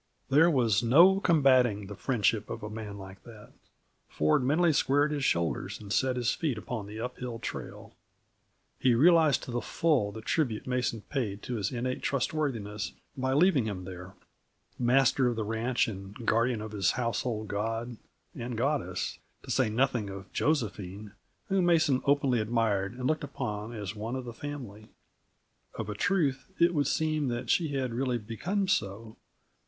There was no combating the friendship of a man like that. Ford mentally squared his shoulders and set his feet upon the uphill trail. He realized to the full the tribute Mason paid to his innate trustworthiness by leaving him there, master of the ranch and guardian of his household god and goddess, to say nothing of Josephine, whom Mason openly admired and looked upon as one of the family. Of a truth, it would seem that she had really become so.